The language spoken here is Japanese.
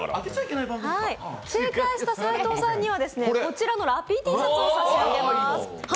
正解した斉藤さんには、こちらのラッピーＴシャツをプレゼントします。